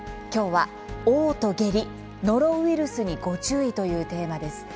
きょうは、「おう吐・下痢ノロウイルスにご注意！」というテーマです。